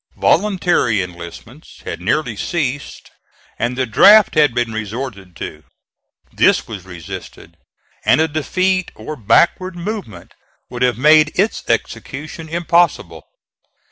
Voluntary enlistments had nearly ceased and the draft had been resorted to; this was resisted, and a defeat or backward movement would have made its execution impossible.